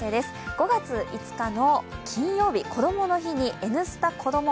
５月５日の金曜日、こどもの日に「Ｎスタ」子ども